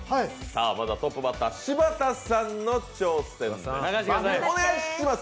トップバッター柴田さんの挑戦です！